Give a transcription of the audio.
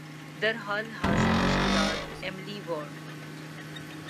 در حال حاضر مشکلات ایمیلی دارم